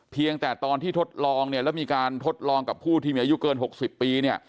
เพียงแต่ตอนที่ทดลองเนี่ยแล้วมีการทดลองกับผู้ที่มีอายุเกิน๖๐ปีเนี่ย